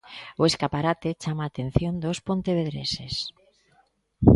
O escaparate chama a atención dos pontevedreses.